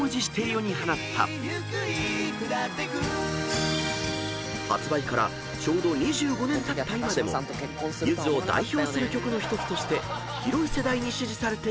「ゆっくり下ってく」［発売からちょうど２５年たった今でもゆずを代表する曲の１つとして広い世代に支持されている名曲］